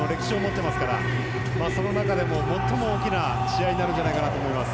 歴史を持ってますからその中でも最も大きな試合になるんじゃないかなと思います。